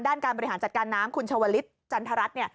ด้านการบริหารจัดการน้ำคุณชวริสต์จันทรัศน์